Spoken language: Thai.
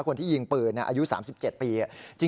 คนที่ยิงปืนอายุ๓๗ปี